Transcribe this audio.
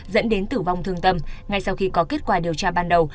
dẫn đến tử vong thương tâm ngay sau khi có kết quả điều tra ban đầu